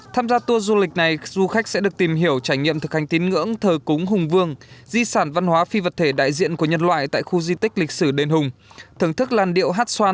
tham gia tour du lịch này du khách sẽ được tìm hiểu trải nghiệm thực hành tín ngưỡng thờ cúng hùng vương di sản văn hóa phi vật thể đại diện của nhân loại tại khu di tích lịch sử đền hùng thưởng thức làn điệu hát xoan